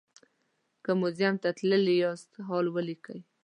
که موزیم ته تللي یاست حال ولیکئ.